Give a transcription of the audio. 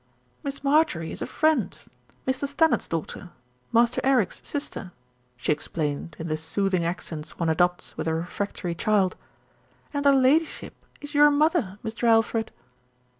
"Miss Marjorie is a friend, Mr. Stannard's daugh ter, Master Eric's sister," she explained in the soothing accents one adopts with a refractory child, "and her Ladyship is your mother, Mr. Alfred."